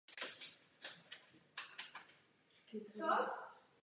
Účinkují v pořadech Českého Rozhlasu na společenských událostech a koncertech.